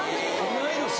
・同い年！